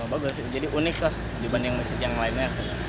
bagus jadi unik lah dibanding masjid yang lainnya